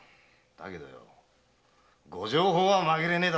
だけどよご定法はまげれねえだろう。